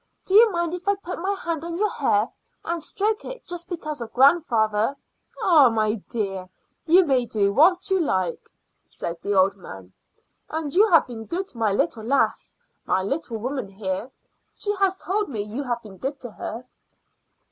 Do you mind if I put my hand on your hair and stroke it just because of grandfather?" "Ah, my dear, you may do what you like," said the old man. "And you have been good to my little lass my little woman here. She has told me you have been good to her."